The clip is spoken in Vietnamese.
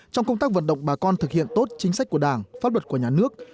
trong công tác vận động bà con thực hiện tốt chính sách của đảng pháp luật của nhà nước